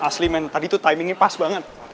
asli men tadi tuh timingnya pas banget